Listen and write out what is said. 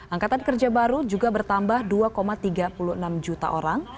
angkatan kerja baru juga bertambah dua tiga puluh enam juta orang